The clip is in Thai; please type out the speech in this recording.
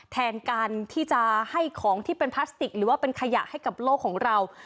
แทนการที่จะให้ของที่เป็นพลาสติกหรือว่าเป็นขยะให้กับโลกของเรา